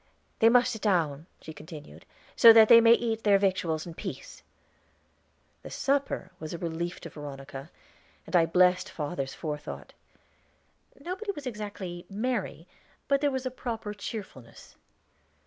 "They must sit down," she continued, "so that they may eat their victuals in peace." The supper was a relief to Veronica, and I blessed father's forethought. Nobody was exactly merry, but there was a proper cheerfulness.